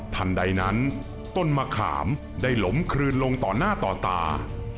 ทันใดนั้นต้นมะขามได้ล้มคลืนลงต่อหน้าต่อตา